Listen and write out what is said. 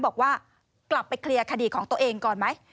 บอกว่ากลับไปเคลียร์คดีของตัวเองก่อนไหม